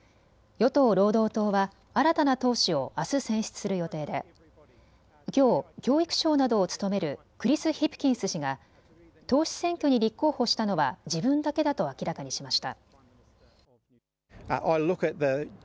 与党・労働党は新たな党首をあす選出する予定で教育相などを務めるクリス・ヒプキンス氏が党首選挙に立候補したのは自分だけだと明らかにしました。